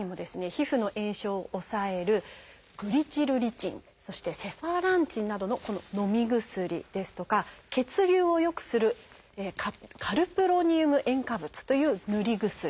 皮膚の炎症を抑える「グリチルリチン」そして「セファランチン」などののみ薬ですとか血流を良くする「カルプロニウム塩化物」という塗り薬。